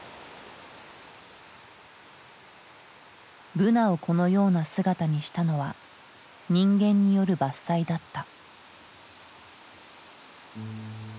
ブナをこのような姿にしたのは人間による伐採だった。